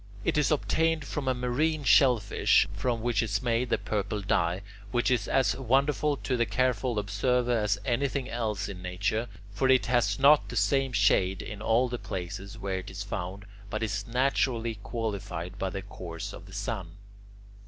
It is obtained from a marine shellfish, from which is made the purple dye, which is as wonderful to the careful observer as anything else in nature; for it has not the same shade in all the places where it is found, but is naturally qualified by the course of the sun.